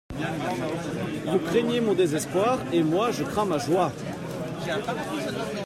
Vous craignez mon désespoir, et moi, je crains ma joie.